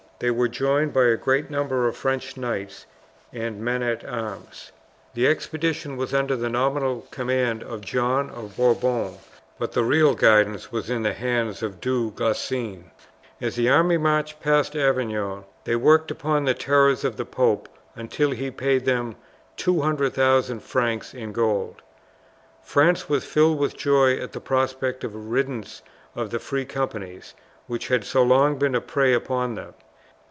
They were joined by a great number of French knights and men at arms. The expedition was under the nominal command of John of Bourbon, but the real guidance was in the hands of Du Guesclin. As the army marched past Avignon they worked upon the terrors of the pope until he paid them 200,000 francs in gold. France was filled with joy at the prospect of a riddance of the free companies which had so long been a prey upon them.